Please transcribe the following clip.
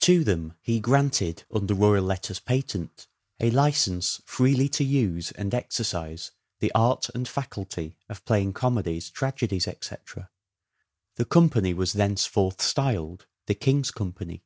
To them he granted under royal letters patent a license freely to use and exercise FINAL OR SHAKESPEAREAN PERIOD 403 the art and faculty of playing comedies, tragedies (etc.) ... The company was thenceforth styled the King's Company."